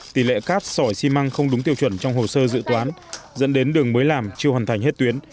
tỷ lệ cát sỏi xi măng không đúng tiêu chuẩn trong hồ sơ dự toán dẫn đến đường mới làm chưa hoàn thành hết tuyến